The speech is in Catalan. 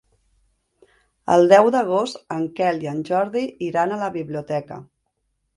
El deu d'agost en Quel i en Jordi iran a la biblioteca.